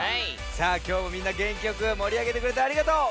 さあきょうもみんなげんきよくもりあげてくれてありがとう。